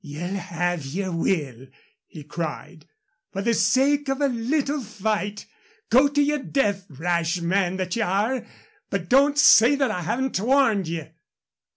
"Ye'll have your will," he cried, "for the sake of a little fight. Go to your death, rash man that ye are, but don't say that I haven't warned ye."